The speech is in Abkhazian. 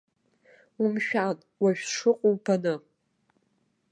Умшәан, уажә сшыҟоу баны.